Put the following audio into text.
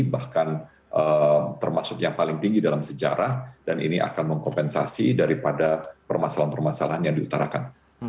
bahkan termasuk yang paling tinggi dalam sejarah dan ini akan mengkompensasi daripada permasalahan permasalahan yang diutarakan